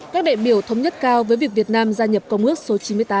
các đại biểu thống nhất cao với việc việt nam gia nhập công ước số chín mươi tám